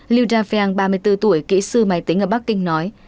liu dafeang ba mươi bốn tuổi kỹ sư máy tính ở bắc kinh nói